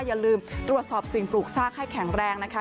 อย่าลืมตรวจสอบสิ่งปลูกสร้างให้แข็งแรงนะคะ